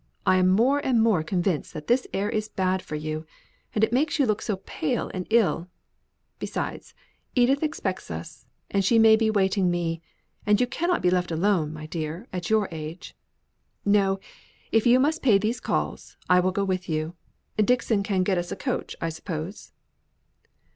I am more and more convinced that this air is bad for you, and makes you look so pale and ill; besides, Edith expects us; and she may be waiting for me; and you cannot be left alone, my dear, at your age. No; if you must make these calls, I will go with you. Dixon can get us a coach, I suppose?"